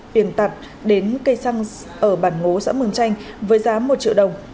biển tạp đến cây xăng ở bản hố xã mường chanh với giá một triệu đồng